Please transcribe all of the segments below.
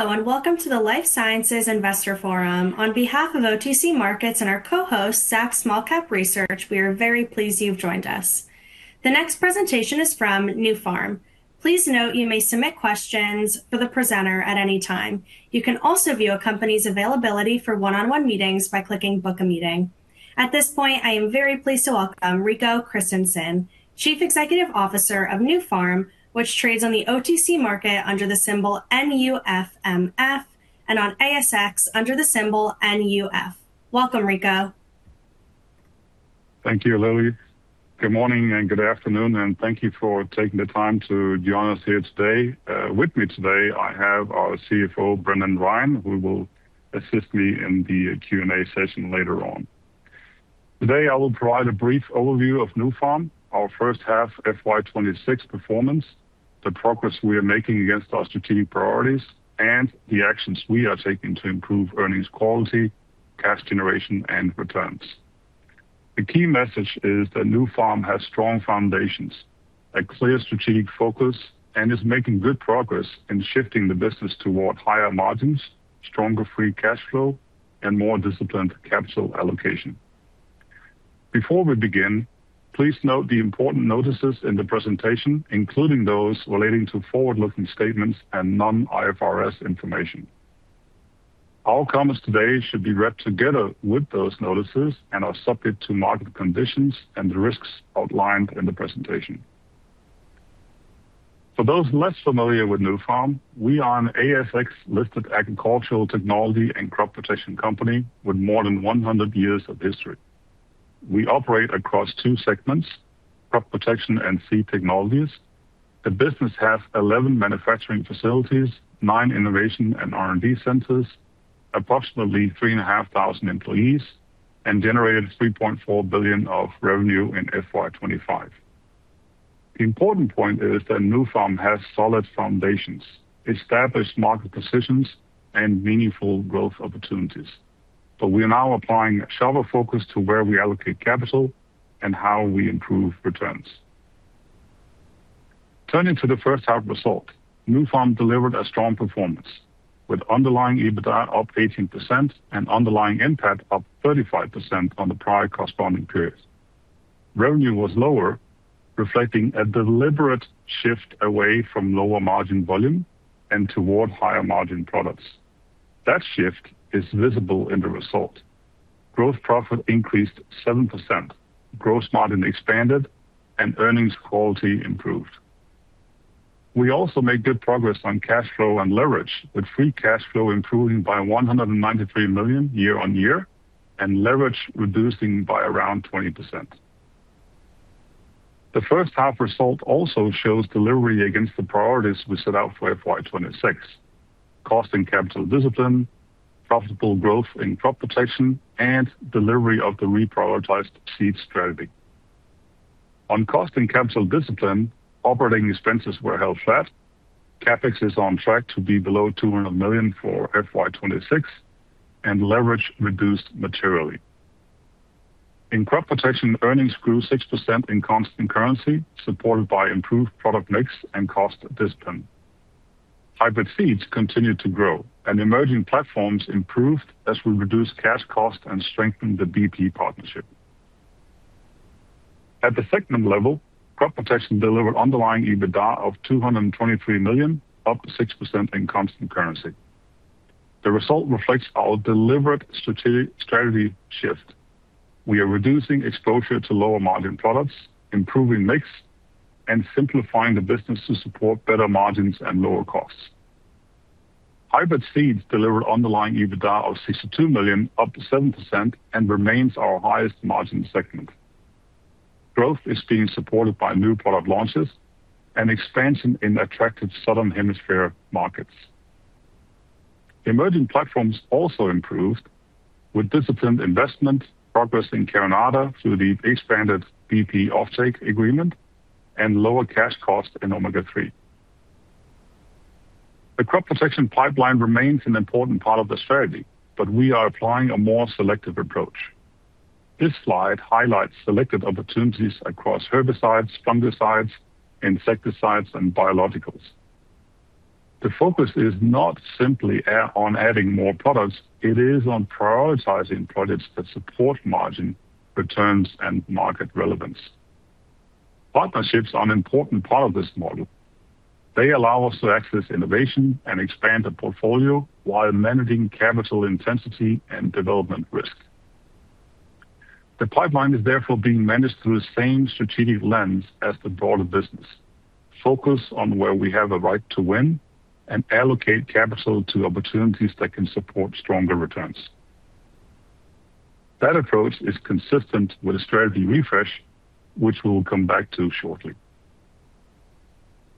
Hello, welcome to the Life Sciences Virtual Investor Forum. On behalf of OTC Markets and our co-host, Zacks Small Cap Research, we are very pleased you've joined us. The next presentation is from Nufarm. Please note you may submit questions for the presenter at any time. You can also view a company's availability for one-on-one meetings by clicking Book a Meeting. At this point, I am very pleased to welcome Rico Christensen, Chief Executive Officer of Nufarm, which trades on the OTC Markets under the symbol NUFMF and on ASX under the symbol NUF. Welcome, Rico. Thank you, Lily. Good morning and good afternoon, thank you for taking the time to join us here today. With me today, I have our CFO, Brendan Ryan, who will assist me in the Q&A session later on. Today, I will provide a brief overview of Nufarm, our first half FY 2026 performance, the progress we are making against our strategic priorities, and the actions we are taking to improve earnings quality, cash generation, and returns. The key message is that Nufarm has strong foundations, a clear strategic focus, and is making good progress in shifting the business toward higher margins, stronger free cash flow, and more disciplined capital allocation. Before we begin, please note the important notices in the presentation, including those relating to forward-looking statements and non-IFRS information. Our comments today should be read together with those notices and are subject to market conditions and the risks outlined in the presentation. For those less familiar with Nufarm, we are an ASX-listed agricultural technology and crop protection company with more than 100 years of history. We operate across two segments, crop protection and seed technologies. The business has 11 manufacturing facilities, nine innovation and R&D centers, approximately 3,500 employees, and generated 3.4 billion of revenue in FY 2025. The important point is that Nufarm has solid foundations, established market positions, and meaningful growth opportunities, but we are now applying a sharper focus to where we allocate capital and how we improve returns. Turning to the first half result, Nufarm delivered a strong performance, with underlying EBITDA up 18% and underlying NPAT up 35% on the prior corresponding period. Revenue was lower, reflecting a deliberate shift away from lower-margin volume and toward higher-margin products. That shift is visible in the result. Gross profit increased 7%, gross margin expanded, and earnings quality improved. We also made good progress on cash flow and leverage, with free cash flow improving by 193 million year-on-year, and leverage reducing by around 20%. The first half result also shows delivery against the priorities we set out for FY 2026: cost and capital discipline, profitable growth in crop protection, and delivery of the reprioritized seed strategy. On cost and capital discipline, operating expenses were held flat, CapEx is on track to be below 200 million for FY 2026, and leverage reduced materially. In crop protection, earnings grew 6% in constant currency, supported by improved product mix and cost discipline. Hybrid seeds continued to grow, emerging platforms improved as we reduced cash cost and strengthened the bp partnership. At the segment level, crop protection delivered underlying EBITDA of 223 million, up 6% in constant currency. The result reflects our deliberate strategy shift. We are reducing exposure to lower-margin products, improving mix, and simplifying the business to support better margins and lower costs. Hybrid seeds delivered underlying EBITDA of 62 million, up 7%, and remains our highest margin segment. Growth is being supported by new product launches and expansion in attractive Southern Hemisphere markets. Emerging platforms also improved with disciplined investment, progress in Carinata through the expanded bp offtake agreement, and lower cash cost in omega-3. The crop protection pipeline remains an important part of the strategy, we are applying a more selective approach. This slide highlights selected opportunities across herbicides, fungicides, insecticides, and biologicals. The focus is not simply on adding more products. It is on prioritizing products that support margin, returns, and market relevance. Partnerships are an important part of this model. They allow us to access innovation and expand the portfolio while managing capital intensity and development risk. The pipeline is therefore being managed through the same strategic lens as the broader business. Focus on where we have a right to win and allocate capital to opportunities that can support stronger returns. That approach is consistent with the strategy refresh, which we'll come back to shortly.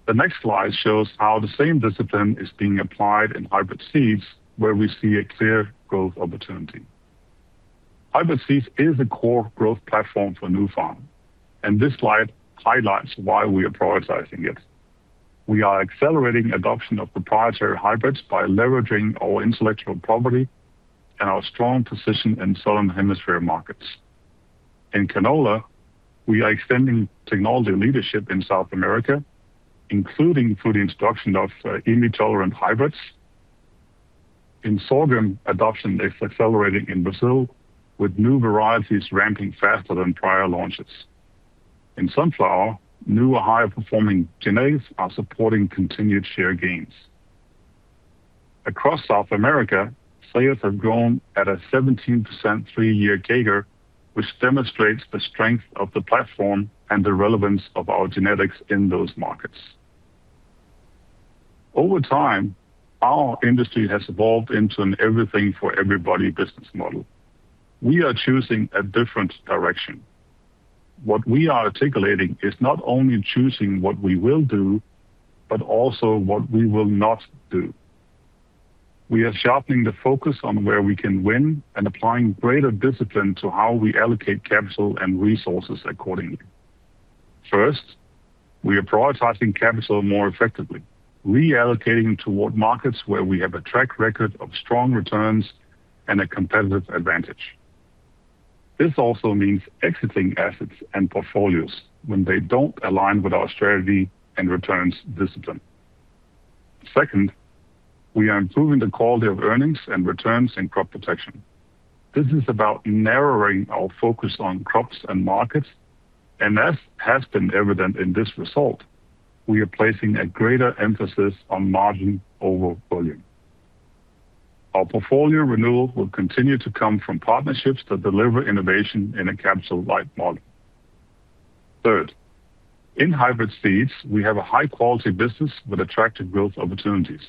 The next slide shows how the same discipline is being applied in hybrid seeds, where we see a clear growth opportunity. Hybrid seeds is a core growth platform for Nufarm, this slide highlights why we are prioritizing it. We are accelerating adoption of proprietary hybrids by leveraging our intellectual property and our strong position in Southern Hemisphere markets. In canola, we are extending technology leadership in South America, including through the introduction of Imi tolerant hybrids. In sorghum, adoption is accelerating in Brazil with new varieties ramping faster than prior launches. In sunflower, new or higher performing genetics are supporting continued share gains. Across South America, sales have grown at a 17% three-year CAGR, which demonstrates the strength of the platform and the relevance of our genetics in those markets. Over time, our industry has evolved into an everything for everybody business model. We are choosing a different direction. What we are articulating is not only choosing what we will do, but also what we will not do. We are sharpening the focus on where we can win and applying greater discipline to how we allocate capital and resources accordingly. First, we are prioritizing capital more effectively, reallocating toward markets where we have a track record of strong returns and a competitive advantage. This also means exiting assets and portfolios when they don't align with our strategy and returns discipline. Second, we are improving the quality of earnings and returns in crop protection. This is about narrowing our focus on crops and markets, as has been evident in this result, we are placing a greater emphasis on margin over volume. Our portfolio renewal will continue to come from partnerships that deliver innovation in a capital light model. Third, in hybrid seeds, we have a high-quality business with attractive growth opportunities.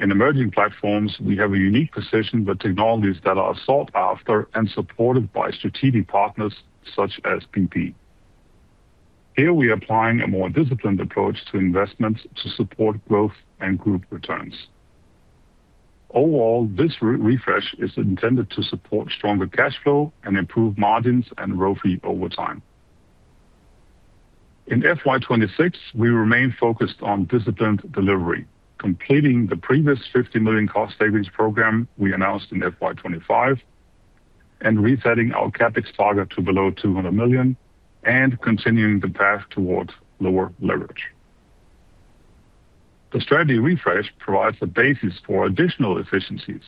In emerging platforms, we have a unique position with technologies that are sought after and supported by strategic partners such as bp. Here we are applying a more disciplined approach to investments to support growth and group returns. Overall, this refresh is intended to support stronger cash flow and improve margins and ROFE over time. In FY 2026, we remain focused on disciplined delivery, completing the previous 50 million cost savings program we announced in FY 2025, and resetting our CapEx target to below 200 million and continuing the path towards lower leverage. The strategy refresh provides the basis for additional efficiencies.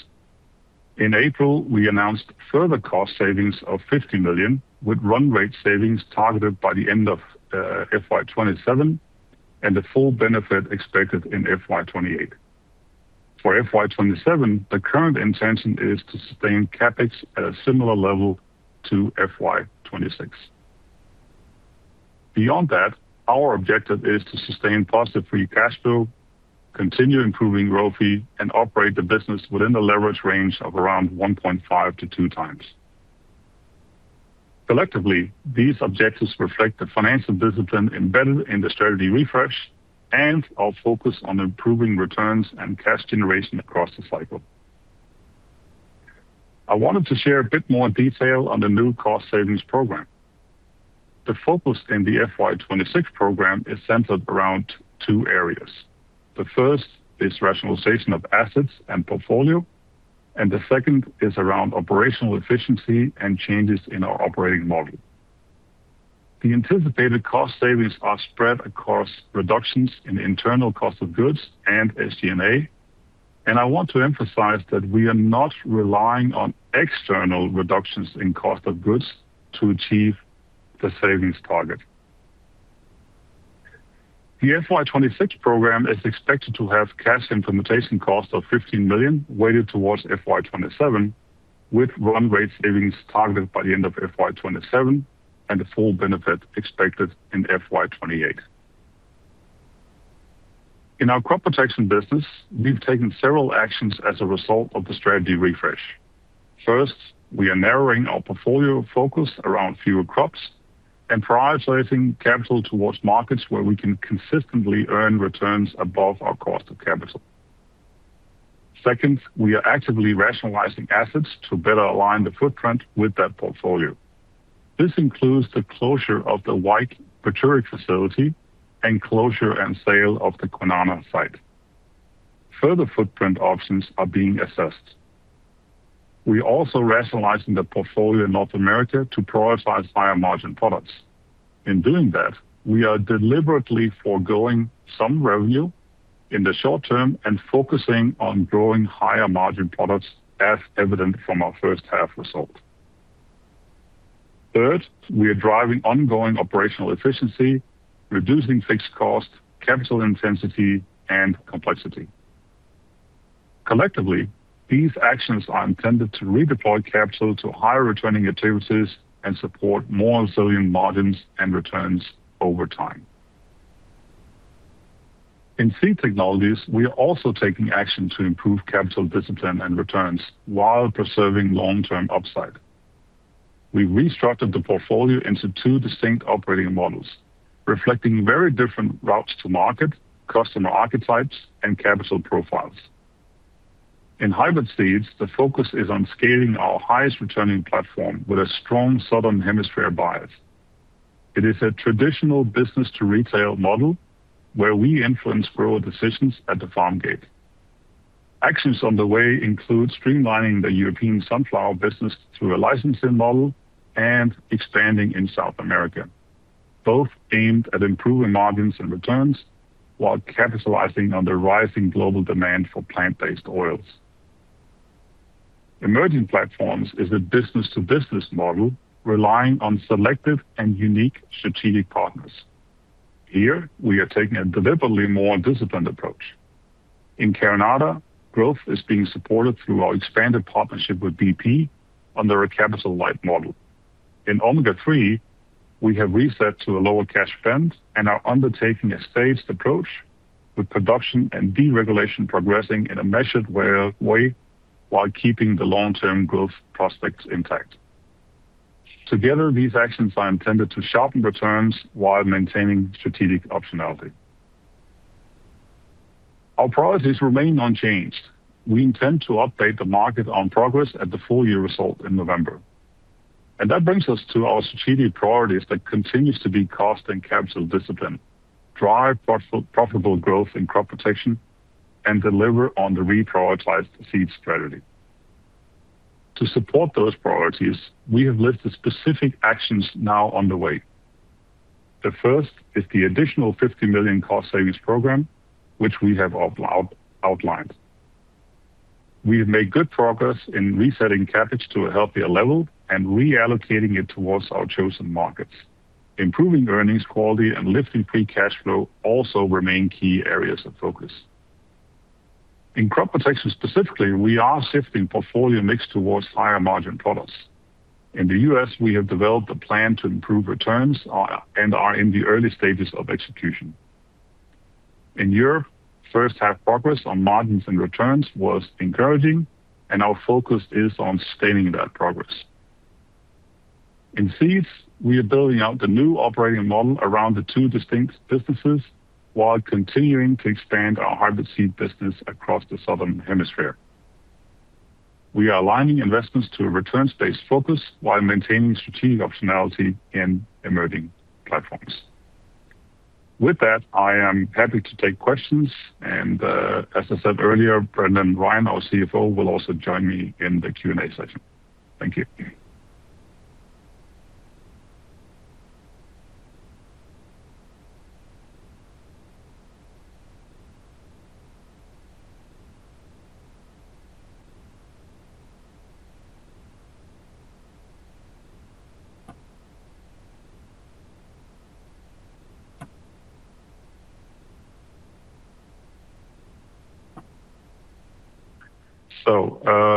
In April, we announced further cost savings of 50 million with run rate savings targeted by the end of FY 2027 and the full benefit expected in FY 2028. For FY 2027, the current intention is to sustain CapEx at a similar level to FY 2026. Beyond that, our objective is to sustain positive free cash flow, continue improving ROFE, and operate the business within the leverage range of around 1.5 to two times. Collectively, these objectives reflect the financial discipline embedded in the strategy refresh and our focus on improving returns and cash generation across the cycle. I wanted to share a bit more detail on the new cost savings program. The focus in the FY 2026 program is centered around two areas. The first is rationalization of assets and portfolio, and the second is around operational efficiency and changes in our operating model. The anticipated cost savings are spread across reductions in internal cost of goods and SGA, and I want to emphasize that we are not relying on external reductions in cost of goods to achieve the savings target. The FY 2026 program is expected to have cash implementation cost of 15 million weighted towards FY 2027, with run rate savings targeted by the end of FY 2027 and the full benefit expected in FY 2028. In our crop protection business, we've taken several actions as a result of the strategy refresh. First, we are narrowing our portfolio focus around fewer crops and prioritizing capital towards markets where we can consistently earn returns above our cost of capital. Second, we are actively rationalizing assets to better align the footprint with that portfolio. This includes the closure of the Wyke facility and closure and sale of the Kwinana site. Further footprint options are being assessed. We're also rationalizing the portfolio in North America to prioritize higher margin products. In doing that, we are deliberately foregoing some revenue in the short term and focusing on growing higher margin products as evident from our first half result. Third, we are driving ongoing operational efficiency, reducing fixed cost, capital intensity, and complexity. Collectively, these actions are intended to redeploy capital to higher returning activities and support more resilient margins and returns over time. In Seed Technologies, we are also taking action to improve capital discipline and returns while preserving long-term upside. We restructured the portfolio into two distinct operating models, reflecting very different routes to market, customer archetypes, and capital profiles. I n hybrid seeds, the focus is on scaling our highest returning platform with a strong Southern Hemisphere bias. It is a traditional business to retail model where we influence grower decisions at the farm gate. Actions on the way include streamlining the European sunflower business through a licensing model and expanding in South America, both aimed at improving margins and returns while capitalizing on the rising global demand for plant-based oils. Emerging platforms is a business-to-business model relying on selective and unique strategic partners. Here, we are taking a deliberately more disciplined approach. In Carinata, growth is being supported through our expanded partnership with bp under a capital light model. In omega-3, we have reset to a lower cash spend and are undertaking a staged approach, with production and deregulation progressing in a measured way while keeping the long-term growth prospects intact. Together, these actions are intended to sharpen returns while maintaining strategic optionality. Our priorities remain unchanged. We intend to update the market on progress at the full-year result in November. That brings us to our strategic priorities that continues to be cost and capital discipline, drive profitable growth in crop protection, and deliver on the reprioritized seeds strategy. To support those priorities, we have listed specific actions now underway. The first is the additional 50 million cost savings program, which we have outlined. We have made good progress in resetting CapEx to a healthier level and reallocating it towards our chosen markets. Improving earnings quality and lifting free cash flow also remain key areas of focus. In crop protection specifically, we are shifting portfolio mix towards higher margin products. In the U.S., we have developed a plan to improve returns and are in the early stages of execution. In Europe, first half progress on margins and returns was encouraging, and our focus is on sustaining that progress. In seeds, we are building out the new operating model around the two distinct businesses while continuing to expand our hybrid seed business across the southern hemisphere. We are aligning investments to a returns-based focus while maintaining strategic optionality in emerging platforms. With that, I am happy to take questions, and as I said earlier, Brendan Ryan, our CFO, will also join me in the Q&A session. Thank you.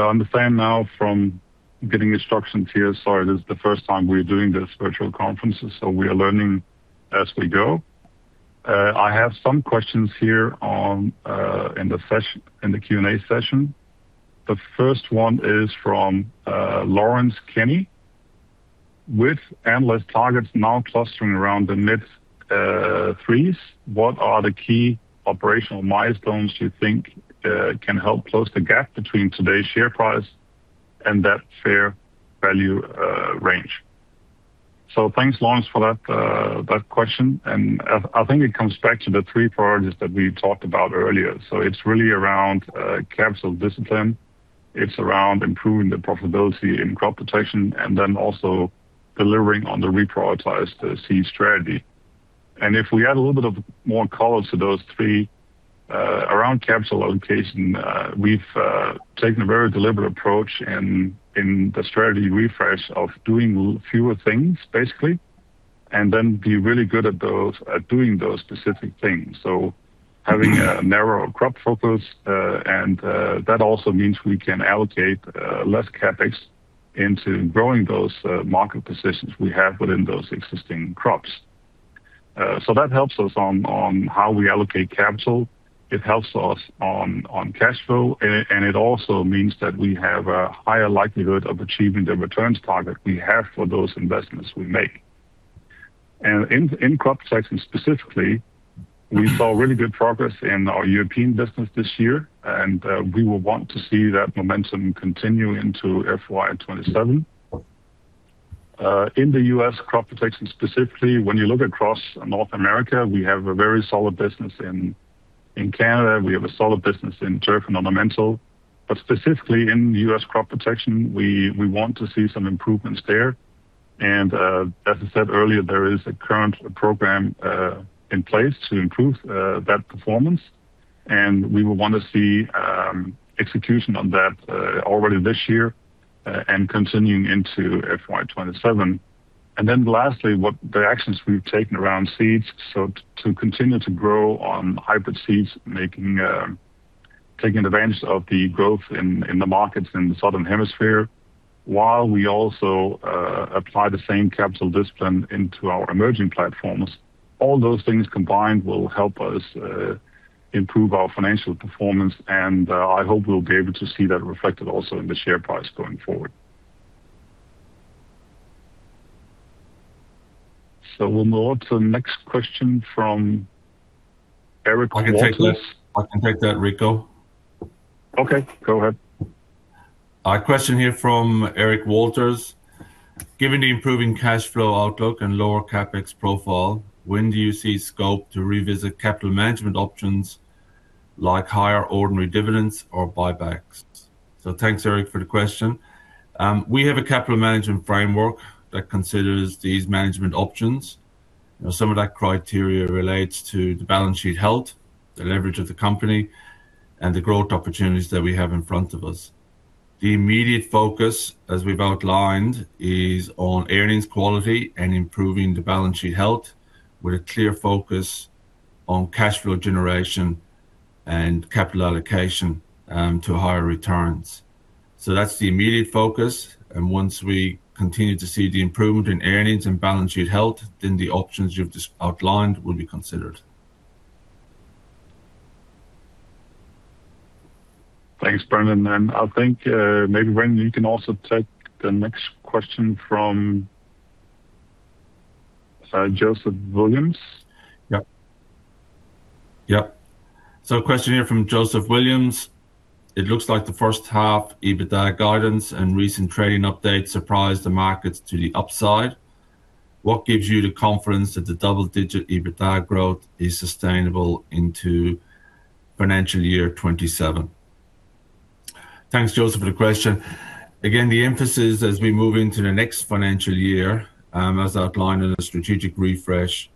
Understand now from getting instructions here, sorry, this is the first time we're doing this virtual conference, we are learning as we go. I have some questions here in the Q&A session. The first one is from Lawrence Kenny: With analyst targets now clustering around the mid threes, what are the key operational milestones you think can help close the gap between today's share price and that fair value range? Thanks, Lawrence, for that question. I think it comes back to the three priorities that we talked about earlier. It's really around capital discipline. It's around improving the profitability in crop protection and then also delivering on the reprioritized seeds strategy. If we add a little bit more color to those three, around capital allocation, we've taken a very deliberate approach in the strategy refresh of doing fewer things, basically, and then be really good at doing those specific things. Having a narrower crop focus, and that also means we can allocate less CapEx into growing those market positions we have within those existing crops. That helps us on how we allocate capital. It helps us on cash flow, and it also means that we have a higher likelihood of achieving the returns target we have for those investments we make. In crop protection specifically, we saw really good progress in our European business this year, and we will want to see that momentum continue into FY 2027. In the U.S. crop protection specifically, when you look across North America, we have a very solid business in Canada. We have a solid business in turf and ornamental. Specifically in U.S. crop protection, we want to see some improvements there. As I said earlier, there is a current program in place to improve that performance, and we will want to see execution on that already this year and continuing into FY 2027. Lastly, the actions we've taken around seeds. To continue to grow on hybrid seeds, taking advantage of the growth in the markets in the southern hemisphere, while we also apply the same capital discipline into our emerging platforms. All those things combined will help us improve our financial performance, and I hope we'll be able to see that reflected also in the share price going forward. We'll move to the next question from Eric Walker. I can take that, Rico. Okay, go ahead. A question here from Eric Walker: Given the improving cash flow outlook and lower CapEx profile, when do you see scope to revisit capital management options like higher ordinary dividends or buybacks? Thanks, Eric, for the question. We have a capital management framework that considers these management options. Some of that criteria relates to the balance sheet health, the leverage of the company, and the growth opportunities that we have in front of us. The immediate focus, as we've outlined, is on earnings quality and improving the balance sheet health with a clear focus on cash flow generation and capital allocation to higher returns. That's the immediate focus, and once we continue to see the improvement in earnings and balance sheet health, then the options you've just outlined will be considered. Thanks, Brendan. I think maybe, Brendan, you can also take the next question from Joseph Williams. A question here from Joseph Williams: It looks like the first half EBITDA guidance and recent trading updates surprised the markets to the upside. What gives you the confidence that the double-digit EBITDA growth is sustainable into FY 2027? Thanks, Joseph, for the question. Again, the emphasis as we move into the next financial year, as outlined in the strategic refresh,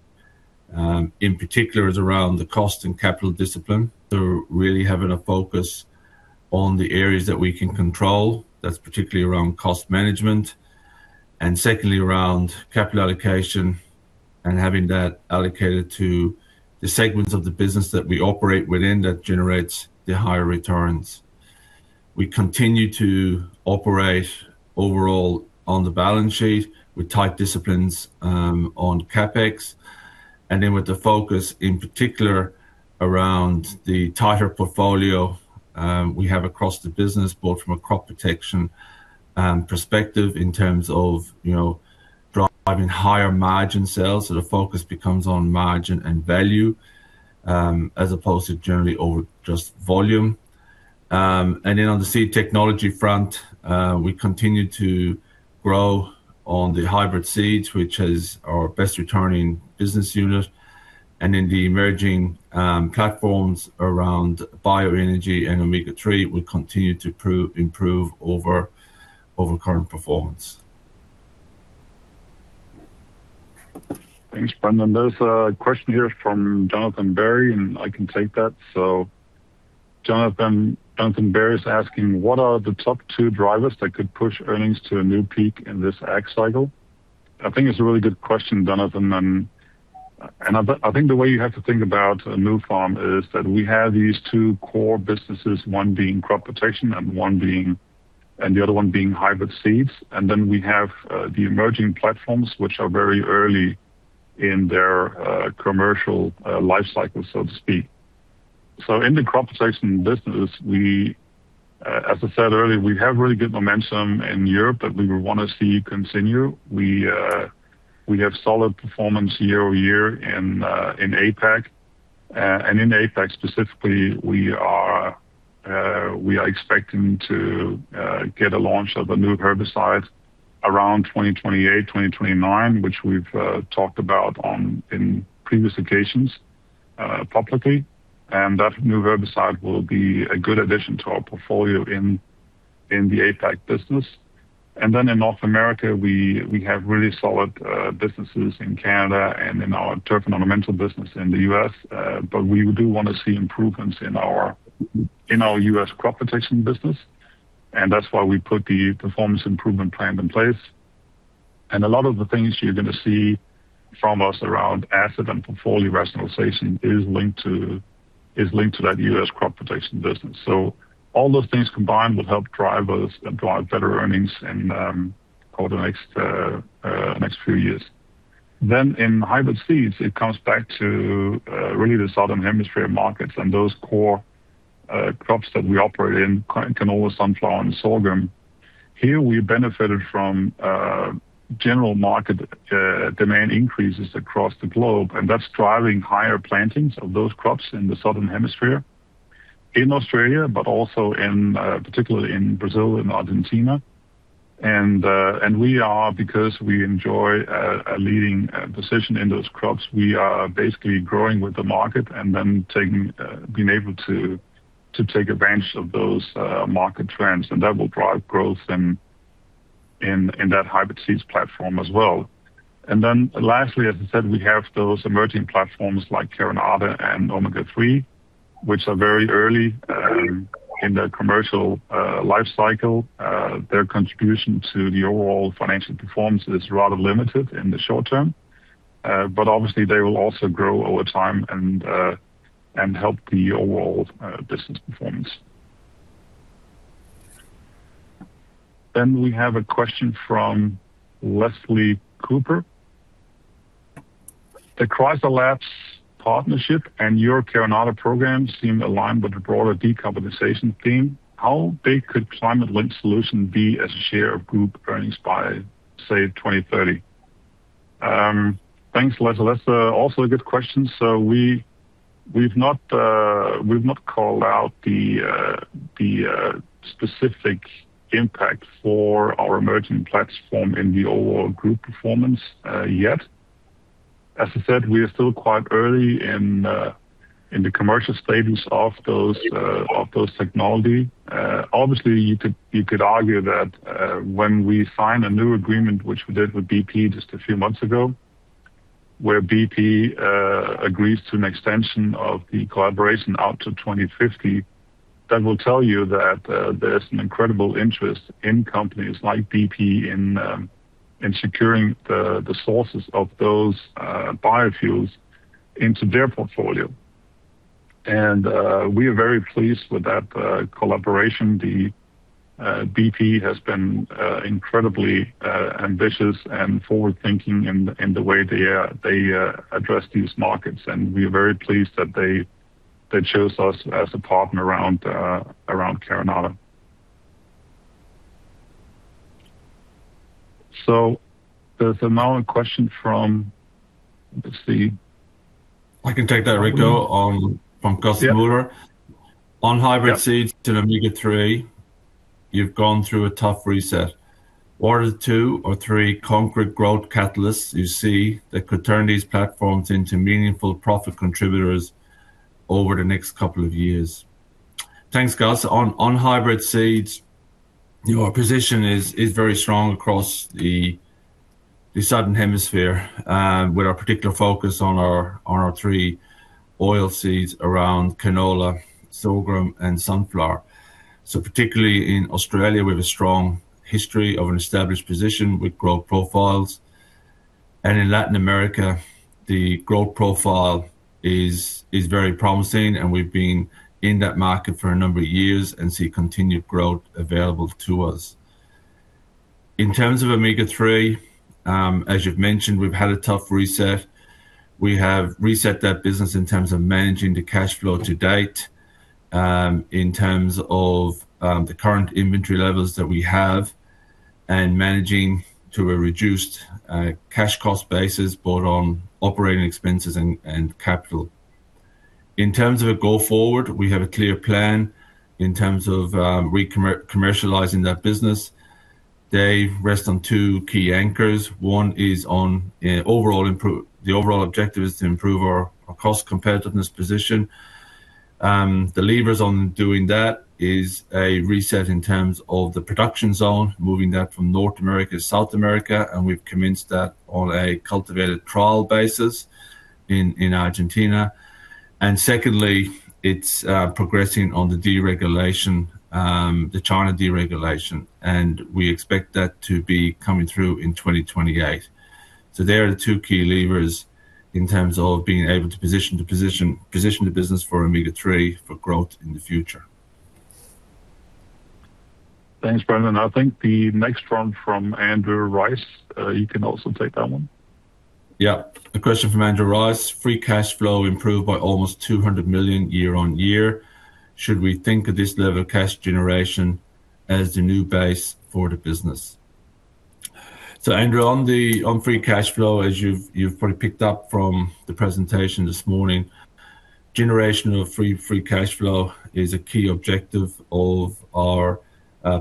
in particular, is around the cost and capital discipline. Really having a focus on the areas that we can control, that's particularly around cost management. Secondly, around capital allocation and having that allocated to the segments of the business that we operate within that generates the higher returns. We continue to operate overall on the balance sheet with tight disciplines on CapEx, then with the focus in particular around the tighter portfolio we have across the business, both from a crop protection perspective in terms of driving higher margin sales. The focus becomes on margin and value, as opposed to generally over just volume. Then on the seed technology front, we continue to grow on the hybrid seeds, which is our best returning business unit. In the emerging platforms around bioenergy and omega-3, we continue to improve over current performance. Thanks, Brendan. There's a question here from Jonathan Berry, and I can take that. Jonathan Berry's asking: What are the top two drivers that could push earnings to a new peak in this ag cycle? I think it's a really good question, Jonathan, and I think the way you have to think about Nufarm is that we have these two core businesses, one being crop protection and the other one being hybrid seeds. We have the emerging platforms, which are very early in their commercial life cycle, so to speak. In the crop protection business, as I said earlier, we have really good momentum in Europe that we want to see continue. We have solid performance year-over-year in APAC. In APAC specifically, we are expecting to get a launch of a new herbicide around 2028, 2029, which we've talked about in previous occasions publicly. That new herbicide will be a good addition to our portfolio in the APAC business. In North America, we have really solid businesses in Canada and in our turf and ornamental business in the U.S., but we do want to see improvements in our U.S. crop protection business, and that's why we put the performance improvement plan in place. A lot of the things you're going to see from us around asset and portfolio rationalization is linked to that U.S. crop protection business. All those things combined will help drive better earnings over the next few years. In hybrid seeds, it comes back to really the Southern Hemisphere markets and those core crops that we operate in, canola, sunflower, and sorghum. Here we benefited from general market demand increases across the globe, and that's driving higher plantings of those crops in the Southern Hemisphere in Australia, but also particularly in Brazil and Argentina. Because we enjoy a leading position in those crops, we are basically growing with the market and then being able to take advantage of those market trends, and that will drive growth in that hybrid seeds platform as well. Lastly, as I said, we have those emerging platforms like Carinata and omega-3, which are very early in their commercial life cycle. Their contribution to the overall financial performance is rather limited in the short term. Obviously they will also grow over time and help the overall business performance. We have a question from Leslie Cooper. The ChrysaLabs partnership and your Carinata program seem aligned with the broader decarbonization theme. How big could climate link solution be as a share of group earnings by, say, 2030? Thanks, Lisa. That's also a good question. We've not called out the specific impact for our emerging platform in the overall group performance yet. As I said, we are still quite early in the commercial status of those technology. Obviously, you could argue that when we sign a new agreement, which we did with bp just a few months ago, where bp agrees to an extension of the collaboration out to 2050, that will tell you that there's an incredible interest in companies like bp in securing the sources of those biofuels into their portfolio. We are very pleased with that collaboration. The bp has been incredibly ambitious and forward-thinking in the way they address these markets, and we are very pleased that they chose us as a partner around Carinata. There's another question from, let's see. I can take that, Rico, from Gus Muller. Yeah. On hybrid seeds to the omega-3, you've gone through a tough reset. What are the two or three concrete growth catalysts you see that could turn these platforms into meaningful profit contributors over the next couple of years? Thanks, Gus. On hybrid seeds, our position is very strong across the Southern Hemisphere, with our particular focus on our three oil seeds around canola, sorghum, and sunflower. Particularly in Australia, we have a strong history of an established position with growth profiles. In Latin America, the growth profile is very promising, and we've been in that market for a number of years and see continued growth available to us. In terms of omega-3, as you've mentioned, we've had a tough reset. We have reset that business in terms of managing the cash flow to date, in terms of the current inventory levels that we have, and managing to a reduced cash cost basis, both on operating expenses and capital. In terms of a go forward, we have a clear plan in terms of re-commercializing that business. They rest on two key anchors. One is on the overall objective is to improve our cost competitiveness position. The levers on doing that is a reset in terms of the production zone, moving that from North America to South America, and we've commenced that on a cultivated trial basis in Argentina. Secondly, it's progressing on the deregulation, the China deregulation, and we expect that to be coming through in 2028. They are the two key levers in terms of being able to position the business for omega-3 for growth in the future. Thanks, Brendan. I think the next one from Andrew Rice, you can also take that one. A question from Andrew Rice. Free cash flow improved by almost 200 million year-on-year. Should we think of this level of cash generation as the new base for the business? Andrew, on free cash flow, as you've probably picked up from the presentation this morning, generation of free cash flow is a key objective of our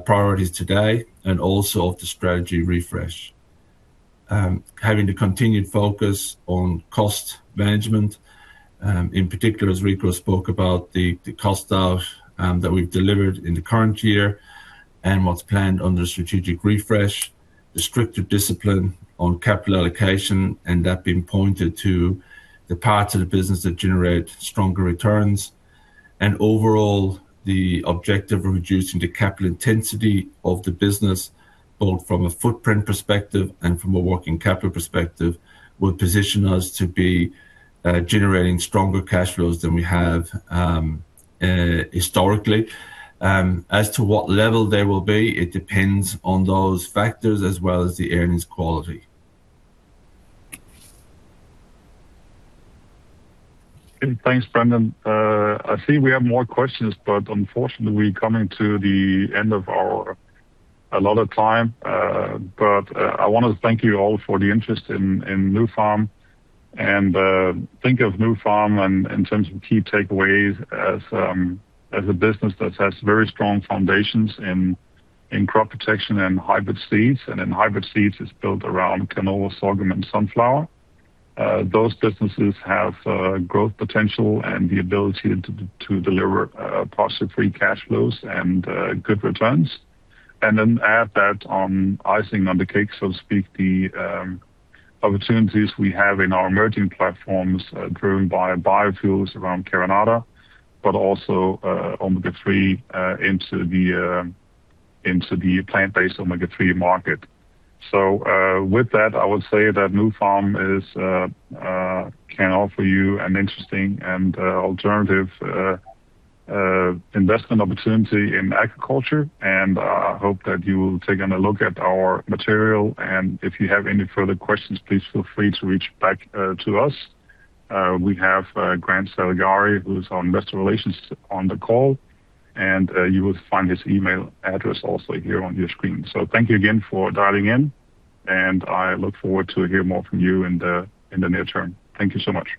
priorities today and also of the strategy refresh. Having the continued focus on cost management, in particular, as Rico spoke about the cost out that we've delivered in the current year and what's planned under the strategic refresh, the strict discipline on capital allocation, and that being pointed to the parts of the business that generate stronger returns. Overall, the objective of reducing the capital intensity of the business, both from a footprint perspective and from a working capital perspective, will position us to be generating stronger cash flows than we have historically. As to what level they will be, it depends on those factors as well as the earnings quality. Thanks, Brendan. I see we have more questions, but unfortunately, we're coming to the end of our allotted time. I want to thank you all for the interest in Nufarm and think of Nufarm in terms of key takeaways as a business that has very strong foundations in crop protection and hybrid seeds, and in hybrid seeds it's built around canola, sorghum, and sunflower. Those businesses have growth potential and the ability to deliver positive free cash flows and good returns. Then add that icing on the cake, so to speak, the opportunities we have in our emerging platforms are driven by biofuels around Carinata, but also omega-3 into the plant-based omega-3 market. With that, I would say that Nufarm can offer you an interesting and alternative investment opportunity in agriculture, and I hope that you will take a look at our material, and if you have any further questions, please feel free to reach back to us. We have Grant Saligari, who's our investor relations on the call, and you will find his email address also here on your screen. Thank you again for dialing in, and I look forward to hear more from you in the near term. Thank you so much.